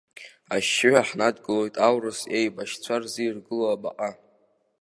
Ашьшьыҳәа ҳнадгылоит аурыс еибашьцәа рзы иргылоу абаҟа.